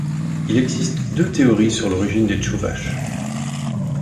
Il existe deux théories sur l'origine des Tchouvaches.